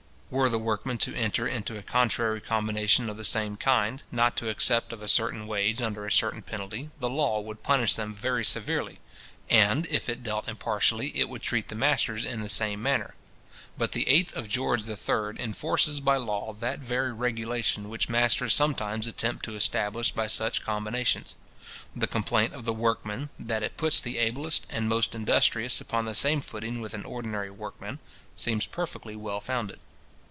Were the workmen to enter into a contrary combination of the same kind, not to accept of a certain wage, under a certain penalty, the law would punish them very severely; and, if it dealt impartially, it would treat the masters in the same manner. But the 8th of George III. enforces by law that very regulation which masters sometimes attempt to establish by such combinations. The complaint of the workmen, that it puts the ablest and most industrious upon the same footing with an ordinary workman, seems perfectly well founded.